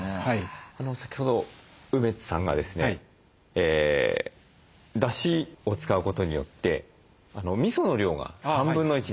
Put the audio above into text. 先ほど梅津さんがですねだしを使うことによってみその量が1/3になる。